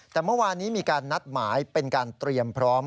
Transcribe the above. แต่เมื่อวานนี้มีการนัดหมายเป็นการเตรียมพร้อม